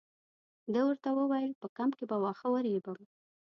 ده ورته وویل په کمپ کې به واښه ورېبم.